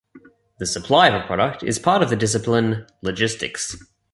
The supply of a product is part of the discipline Logistics.